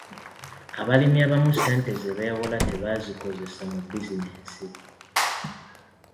Abalimi abamu ssente ze beewola tebazikozesa mu bizinensi.